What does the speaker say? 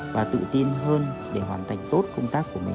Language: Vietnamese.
và tự tin hơn để hoàn thành tốt công tác của mình